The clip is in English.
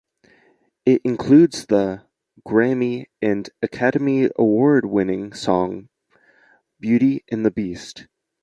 It includes the Grammy and Academy Award-winning song Beauty and the Beast.